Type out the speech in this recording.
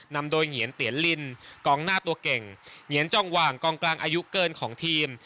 นำโดยเหงียนเตียนลินกองหน้าตัวเก่งเหงียนจองหว่างกองกลางอายุเกินของทีม